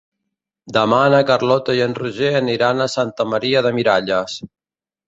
Demà na Carlota i en Roger aniran a Santa Maria de Miralles.